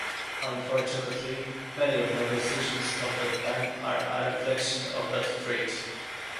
Unfortunately, many of my decisions of that time are a reflection of that trait.